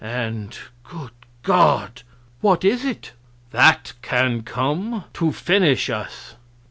And, good God! " "What is it?" "That can come to finish us!"